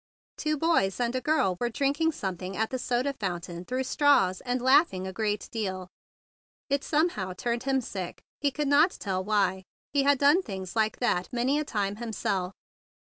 Two boys and a girl were drinking something at the soda fountain through straws, and laughing a great deal. It somehow turned him sick, he could not tell why. He had done things like that many a time himself.